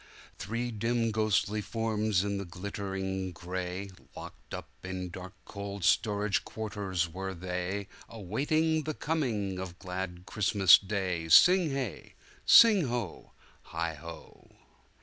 Three dim ghostly forms in the glimmering grayLocked up in dark cold storage quarters were theyAwaiting the coming of glad Christmas day Sing hey! sing ho! heigho!